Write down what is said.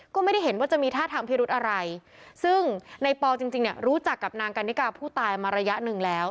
ก็ไม่ได้เห็นว่าจะมีท่าทางพิรุธอะไรซึ่งในปอจริงจริงเนี่ยรู้จักกับนางกันนิกาผู้ตายมาระยะหนึ่งแล้ว